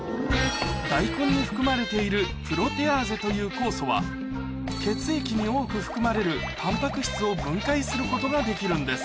大根に含まれているという酵素は血液に多く含まれるタンパク質を分解することができるんです